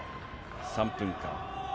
３分間。